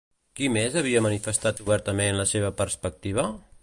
Qui més havia manifestat obertament la seva perspectiva?